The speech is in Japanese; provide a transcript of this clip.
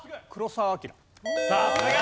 さすが。